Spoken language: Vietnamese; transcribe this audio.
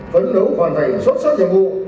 phấn đấu hoàn thành xuất sắc nhiệm vụ